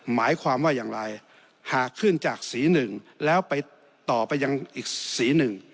หมายความว่าอย่างไรหากขึ้นจากสีหนึ่งแล้วไปต่อไปยังอีกสีหนึ่ง